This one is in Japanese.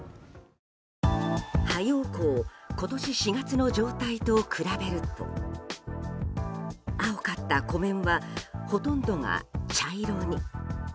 ハヨウ湖を今年４月の状態と比べると青かった湖面はほとんどが茶色に。